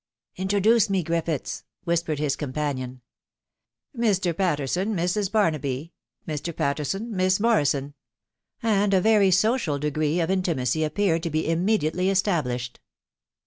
" Introduce me, Griffiths," whispered his companion. " Mr. Patterson, Mrs. Barnaby ; Mr. Patterson, Miss Mor. rison," and a very social degree of intimacy appeared to be immediately established.